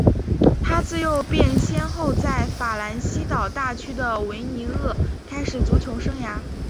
他自幼便先后在法兰西岛大区的维尼厄开始足球生涯。